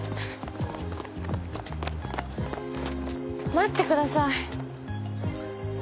待ってください。